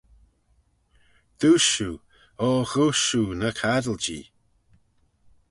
Dooisht shiu! O ghooisht shiu ny caddil-jee !